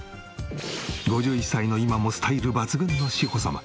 ５１歳の今もスタイル抜群の志保様。